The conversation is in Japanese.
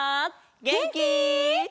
げんき？